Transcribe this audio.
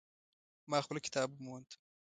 ما خپل کتاب وموند